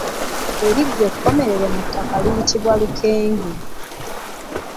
Eriggwa ekkomerere mu ttaka liyitibwa Lukenge.